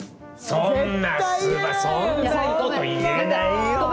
そんなそんなこと言えないよ。